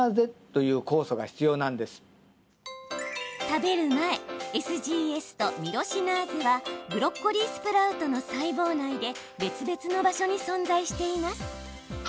食べる前ＳＧＳとミロシナーゼはブロッコリースプラウトの細胞内で別々の場所に存在しています。